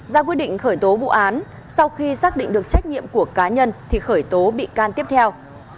ra quyết định khởi tố vụ án sau khi xác định được trách nhiệm của cá nhân thì khởi tố bị can tiếp theo